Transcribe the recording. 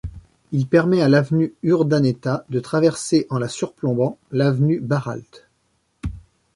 Il permet à l'avenue Urdaneta de traverser, en la surplombant, l'avenue Baralt.